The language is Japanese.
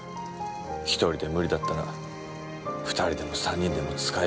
１人で無理だったら２人でも３人でも使えばいい。